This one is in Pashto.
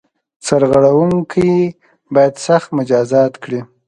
سرغړوونکي باید سخت مجازات کړي.